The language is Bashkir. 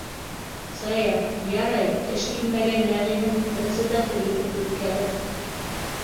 Саяф, ярай, эшкинмәгән Нәғимен председатель итеп үткәрер.